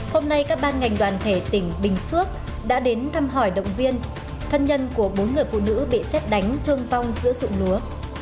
hôm nay các ban ngành đoàn thể tỉnh bình phước đã đến thăm hỏi động viên thân nhân của bốn người phụ nữ bị xét đánh thương vong giữa dụng lúa